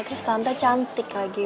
terus tante cantik lagi